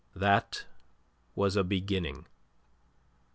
That was a beginning.